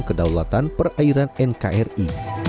kedaulatan perairan nkri